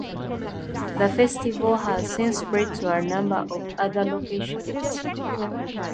The festival has since spread to a number of other locations.